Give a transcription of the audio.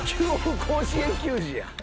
甲子園球児や。